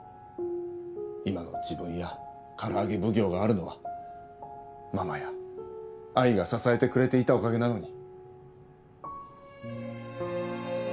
今の自分やからあげ奉行があるのはママや愛が支えてくれていたおかげなのに。